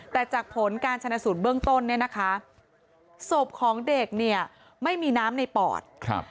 แต่จากผลการชนสูตรเบื้องต้นศพของเด็กไม่มีน้ำในปอด